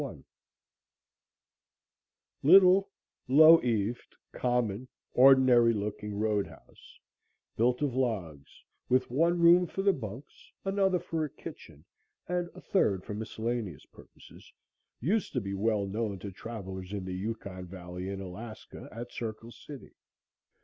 A LITTLE, low eaved, common, ordinary looking road house, built of logs, with one room for the bunks, another for a kitchen and a third for miscellaneous purposes, used to be well known to travelers in the Yukon Valley in Alaska at Circle City.